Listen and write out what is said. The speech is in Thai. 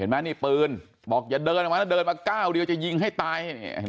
นี่ปืนบอกอย่าเดินออกมานะเดินมาก้าวเดียวจะยิงให้ตาย